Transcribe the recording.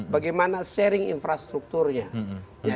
bagaimana sharing infrastrukturnya